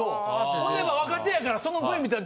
ほんで若手やからそのＶ観たら。